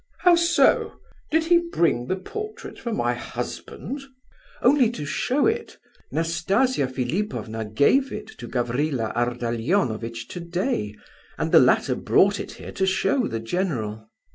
"How so? Did he bring the portrait for my husband?" "Only to show it. Nastasia Philipovna gave it to Gavrila Ardalionovitch today, and the latter brought it here to show to the general."